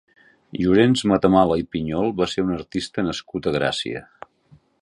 Llorenç Matamala i Piñol va ser un artista nascut a Gràcia.